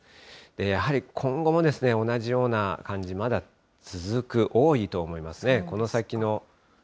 やはり今後も同じような感じ、まだ続く、多いと思いますね。